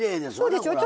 そうでしょ。